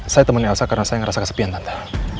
saya temenin elsa karena saya ngerasa kesepian tante